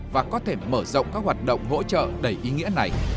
và có thể mở rộng các hoạt động hỗ trợ đầy ý nghĩa này